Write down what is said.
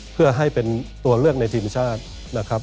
เพื่อให้เป็นตัวเลือกในทีมชาตินะครับ